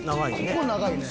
ここ長いね。